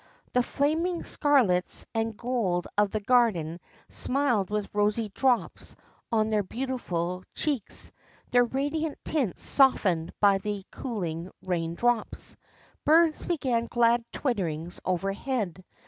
The flaming scarlets and gold of the garden smiled with rosy drops on their beautiful cheeks, their radiant tints softened by the cooling rain drops. Birds began glad twitterings overhead.